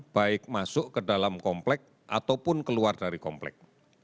baik masuk ke dalam komplek ataupun keluar dari komplek